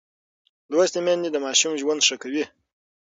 لوستې میندې د ماشوم ژوند ښه کوي.